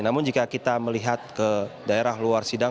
namun jika kita melihat ke daerah luar sidang